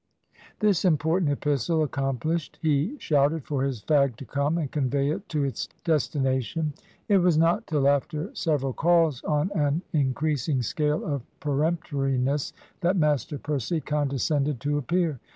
This important epistle accomplished, he shouted for his fag to come and convey it to its destination. It was not till after several calls, on an increasing scale of peremptoriness, that Master Percy condescended to appear.